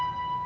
wakan p mlk